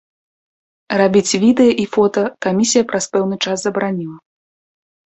Рабіць відэа і фота камісія праз пэўны час забараніла.